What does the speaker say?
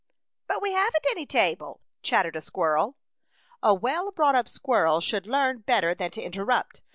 " But we haven't any table,*' chat tered a squirrel. ''A well brought up squirrel should know better than to interrupt.